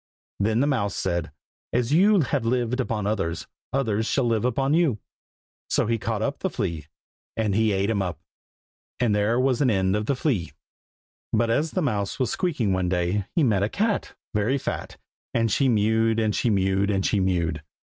Then the mouse said, "as you have lived upon others, others shall live upon you!" So he caught up the flea, and he ate him up. And there was an end of the flea. But as the mouse was squeaking one day, He met a cat, Very fat, And she mewed, And she mewed, And she mewed.